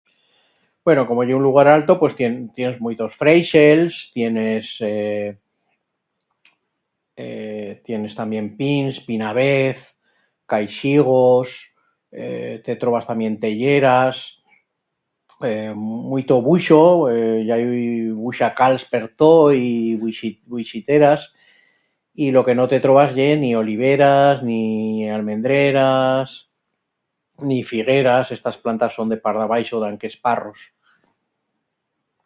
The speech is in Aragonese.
Bueno, como ye un lugar alto, pues tien... tiens muitos fréixels, tienes ee... ee... tienes tamién pins, pinabez, caixigos ee... te trobas tamién telleras, ee muito buixo, ee i hai buixacals per tot y buixit... buixiteras y lo que no te trobas ye ni oliveras, ni almendreras, ni figueras, estas plantas son de part d'abaixo, d'an que es Parros.